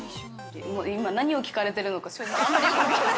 ◆今、何を聞かれてるのか正直あんまりよく分からない。